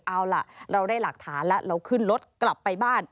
เอาล่ะเราได้หลักฐานแล้วเราขึ้นรถกลับไปบ้าน